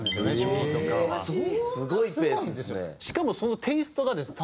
しかもそのテイストがですね